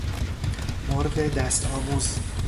مرغ دست آموز